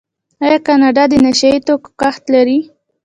آیا کاناډا د نشه یي توکو کښت لري؟